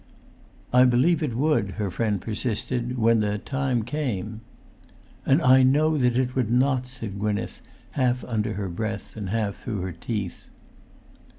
"I believe it would," her friend persisted, "when the time came." "And I know that it would not," said Gwynneth, half under her breath and half through her teeth.